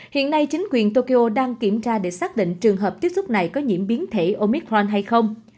hiện nay chính quyền tokyo đang kiểm tra để xác định trường hợp tiếp xúc này có nhiễm biến thể omicron hay không